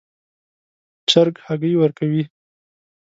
چرګ هګۍ ورکوي